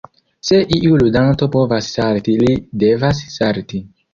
Se iu ludanto povas salti li devas salti.